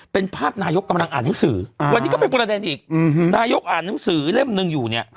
เป็นภาพนายกกำลังอ่านหนังสือวันนี้ก็เป็นประเด็นอีกนายกอ่านหนังสือเล่มหนึ่งอยู่เนี่ย